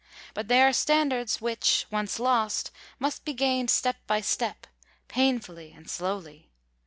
But they are standards which, once lost, must be gained step by step, painfully and slowly.